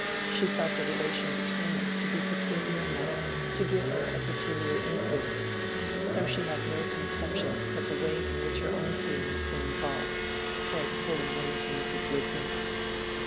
She felt the relation between them to be peculiar enough to give her a peculiar influence, though she had no conception that the way in which her own feelings were involved was fully known to Mrs. Lydgate.